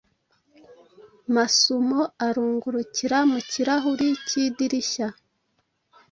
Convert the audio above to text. Masumo: Arungurukira mu kirahuri k’idirishya,